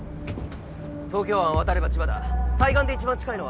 東京湾を渡れば千葉だ対岸で一番近いのは？